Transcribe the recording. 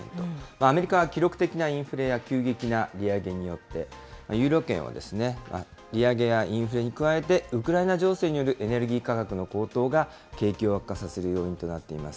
アメリカは記録的なインフレや急激な利上げによって、ユーロ圏は利上げやインフレに加えて、ウクライナ情勢によるエネルギー価格の高騰が景気を悪化させる要因となっています。